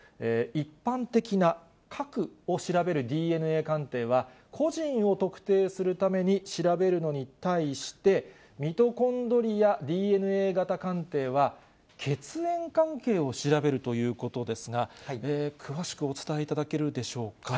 一般的な核を調べるＤＮＡ鑑定は、個人を特定するために調べるのに対して、ミトコンドリアＤＮＡ型鑑定は、血縁関係を調べるということですが、詳しくお伝えいただけるでしょうか。